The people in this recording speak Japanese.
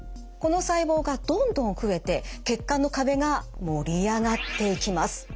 この細胞がどんどん増えて血管の壁が盛り上がっていきます。